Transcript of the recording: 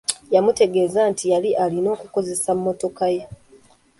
Yamutegeeza nti yali alina okukozesa mmotoka ye.